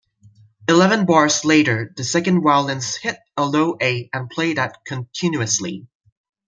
Eleven bars later the second violins hit a low A and play that continuously.